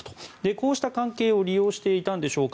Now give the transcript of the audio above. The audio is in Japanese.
こうした関係を利用していたんでしょうか。